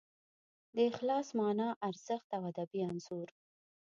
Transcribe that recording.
د اخلاص مانا، ارزښت او ادبي انځور